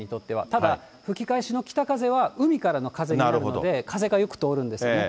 ただ、吹き返しの北風は海からの風になるので、風がよく通るんですよね。